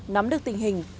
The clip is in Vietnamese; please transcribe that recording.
nắm được tình hình